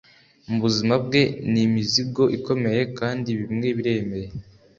mubuzima bwe ni imizigo ikomeye, kandi bimwe biremereye: